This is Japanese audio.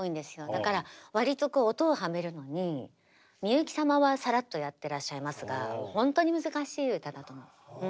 だから割と音をハメるのにみゆき様はさらっとやってらっしゃいますがほんとに難しい歌だと思う。